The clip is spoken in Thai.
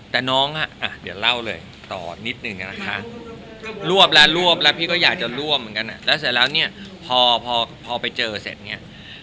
แต่น้องอ่ะเดี๋ยวเล่าเลยต่อนิดนึงนะคะรวบแล้วรวบแล้วพี่ก็อยากจะร่วมเหมือนกันแล้วเสร็จแล้วเนี่ยพอพอไปเจอเสร็จเนี่ย